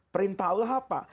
perintah allah apa